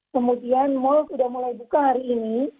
kemudian mal sudah mulai buka hari ini